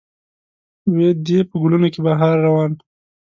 وي دې په ګلونو کې بهار روان